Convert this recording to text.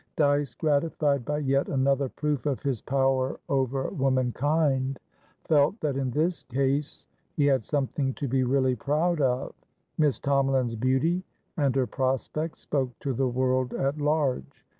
Dyce, gratified by yet another proof of his power over womankind, felt that in this case he had something to be really proud of; Miss Tomalin's beauty and her prospects spoke to the world at large.